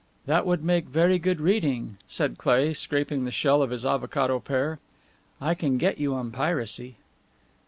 "That would make very good reading," said Cleigh, scraping the shell of his avocado pear. "I can get you on piracy."